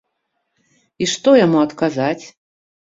І што яму адказаць?